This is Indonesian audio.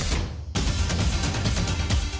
karyawan yang terjadi di kiosk bakso aci